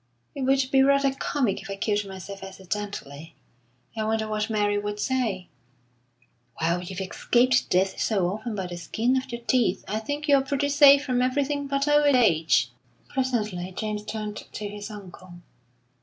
"It would be rather comic if I killed myself accidentally. I wonder what Mary would say?" "Well, you've escaped death so often by the skin of your teeth, I think you're pretty safe from everything but old age." Presently James turned to his uncle.